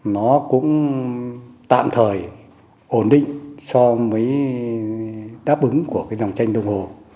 nó cũng tạm thời ổn định so với đáp ứng của dòng tranh đông hồ